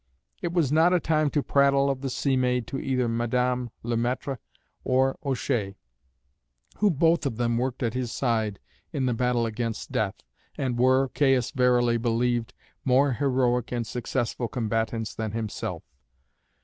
It was not a time to prattle of the sea maid to either Madame Le Maître or O'Shea, who both of them worked at his side in the battle against death, and were, Caius verily believed, more heroic and successful combatants than himself.